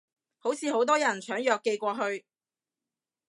好似好多人搶藥寄過去